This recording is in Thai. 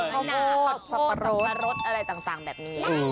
น้อยหนาข้าวโพดสัปปะรดอะไรต่างแบบนี้